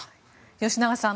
吉永さん